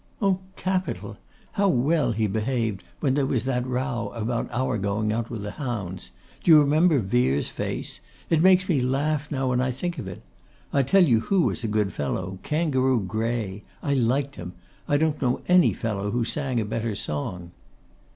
Oh, capital! How well he behaved when there was that row about our going out with the hounds? Do you remember Vere's face? It makes me laugh now when I think of it. I tell you who was a good fellow, Kangaroo Gray; I liked him. I don't know any fellow who sang a better song!